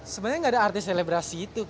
sebenarnya nggak ada artis selebrasi itu